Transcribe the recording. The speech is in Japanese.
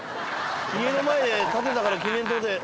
家の前で建てたから記念って事で。